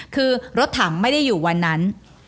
คือรถถังไม่ได้อยู่วันนั้น